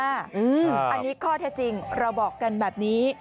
อันนี้ข้อเท็จจริงเราบอกกันแบบนี้